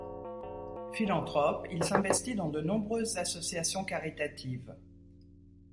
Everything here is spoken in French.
Philanthrope, il s'investit dans de nombreuses associations caritatives.